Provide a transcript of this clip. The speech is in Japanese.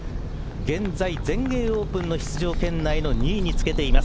現在全英オープンの出場圏内の２位につけています。